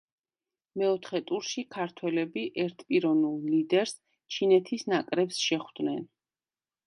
მეოთხე ტურში ქართველები ერთპიროვნულ ლიდერს, ჩინეთის ნაკრებს შეხვდნენ.